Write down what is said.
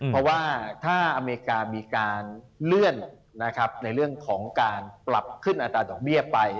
เพราะว่าถ้าอเมริกามีการเลื่อนในเรื่องของการปรับขึ้นอัตราดอกเบี้ยไป